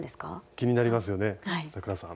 気になりますよね咲楽さん。